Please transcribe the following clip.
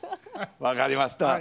分かりました。